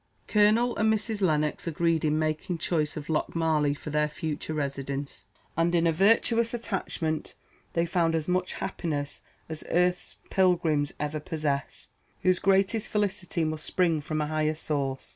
Colonel and Mrs. Lennox agreed in making choice of Lochmarlie for their future residence; and in a virtuous attachment they found as much happiness as earth's pilgrims ever possess, whose greatest felicity must spring from a higher source.